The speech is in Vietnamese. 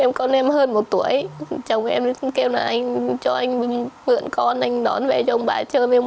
em con em hơn một tuổi chồng em kêu là anh cho anh mượn con anh đón về chồng bà chơi với ông